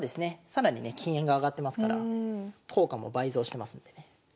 更にね金が上がってますから効果も倍増してますんでね。